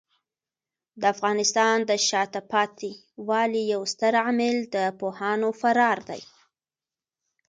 د افغانستان د شاته پاتې والي یو ستر عامل د پوهانو فرار دی.